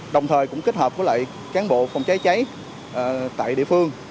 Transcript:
đồng thời cũng kết hợp với lại cán bộ phòng cháy cháy tại địa phương